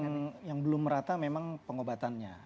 yang belum merata memang pengobatannya